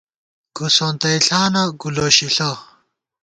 گُوسونَتَئݪانہ گُو لوشِݪہ